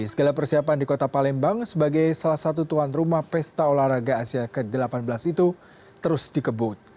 segala persiapan di kota palembang sebagai salah satu tuan rumah pesta olahraga asia ke delapan belas itu terus dikebut